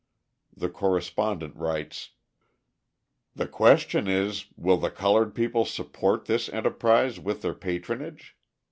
The correspondent writes: The question is, "Will the coloured people support this enterprise with their patronage?"